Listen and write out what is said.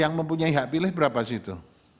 yang mempunyai hak pilih berapa situ